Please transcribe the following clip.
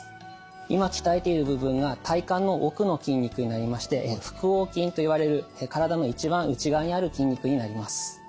今鍛えている部分が体幹の奥の筋肉になりまして腹横筋といわれる体の一番内側にある筋肉になります。